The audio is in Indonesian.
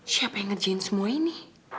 siapa yang ngerjain semua ini